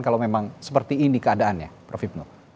kalau memang seperti ini keadaannya prof hipno